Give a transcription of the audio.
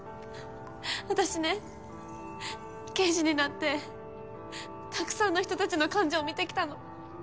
私ね刑事になってたくさんの人たちの感情見てきたの。